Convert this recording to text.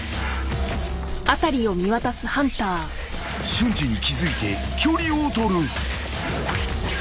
［瞬時に気付いて距離を取る］